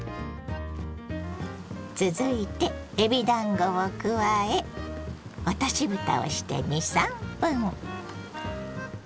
続いてえびだんごを加え落としぶたをして２３分。